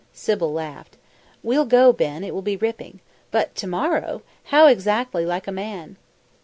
Sybil laughed. "We'll go, Ben, it will be ripping. But to morrow! How exactly like a man!"